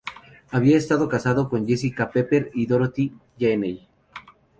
Había estado casado con Jessica Pepper y Dorothy Janney.